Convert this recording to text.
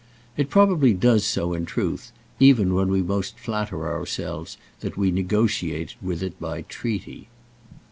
It probably does so, in truth, even when we most flatter ourselves that we negotiate with it by treaty.